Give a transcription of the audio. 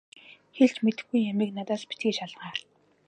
Хэлж мэдэхгүй юмыг надаас битгий шалгаа.